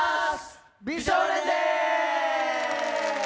美少年です！